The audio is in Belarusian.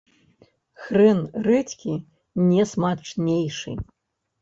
Хрэн рэдзькі не смачнейшы.